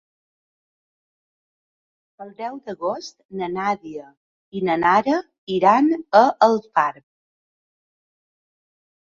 El deu d'agost na Nàdia i na Nara iran a Alfarb.